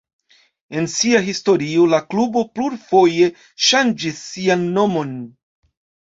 En sia historio la klubo plurfoje ŝanĝis sian nomon.